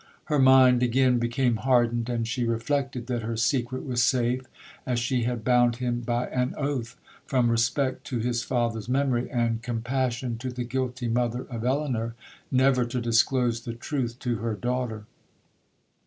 Her mind again became hardened, and she reflected that her secret was safe, as she had bound him by an oath, from respect to his father's memory, and compassion to the guilty mother of Elinor, never to disclose the truth to her daughter.